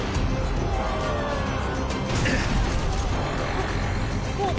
あっ。おっ？